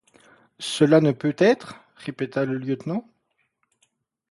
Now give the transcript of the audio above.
Cela ne peut être? répéta le lieutenant.